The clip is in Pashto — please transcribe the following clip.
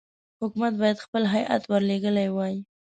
حکومت باید خپل هیات ورلېږلی وای.